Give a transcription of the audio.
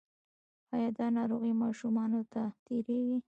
ایا دا ناروغي ماشومانو ته تیریږي؟